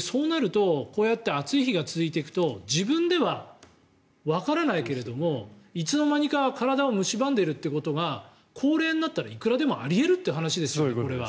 そうなるとこうやって暑い日が続いていくと自分ではわからないけれどもいつの間にか体を蝕んでいるということが高齢になったら、いくらでもあり得るという話ですよ。